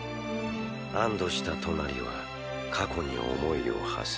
安堵したトナリは過去に思いをはせる。